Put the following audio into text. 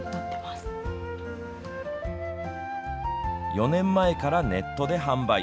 ４年前からネットで販売。